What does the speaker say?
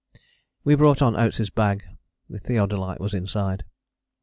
We brought on Oates' bag. The theodolite was inside.